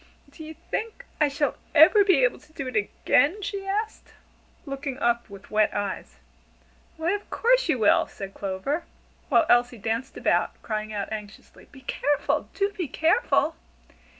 "Do you think I shall ever be able to do it again?" she asked, looking up with wet eyes. "Why, of course you will!" said Clover; while Elsie danced about, crying out anxiously: "Be careful! Do be careful!"